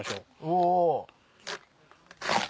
お！